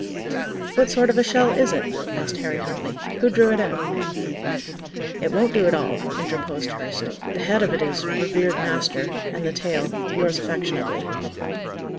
"What sort of a shell is it?" asked Harry Huntley. "Who drew it out?" "It won't do at all," interposed Hurst. "The head of it is, 'Revered master,' and the tail, 'Yours affectionately.